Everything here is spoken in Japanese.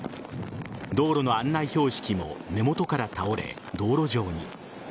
道路の案内標識も、根元から倒れ道路上に。